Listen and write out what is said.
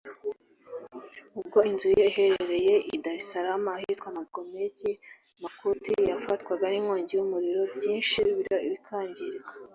ubwo inzu ye iherereye i Dar es Salaam ahitwa Magomeni Makuti yafatwaga n’inkongi y’umuriro byinshi bikangirika